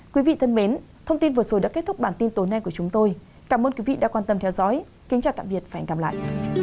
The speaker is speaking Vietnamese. quý vị thân mến thông tin vừa rồi đã kết thúc bản tin tối nay của chúng tôi cảm ơn quý vị đã quan tâm theo dõi kính chào tạm biệt và hẹn gặp lại